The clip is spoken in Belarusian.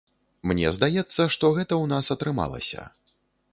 Мне здаецца, што гэта ў нас атрымалася.